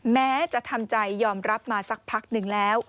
แม้จะทำใจยอมรับมาสักพักหนึ่งแล้ว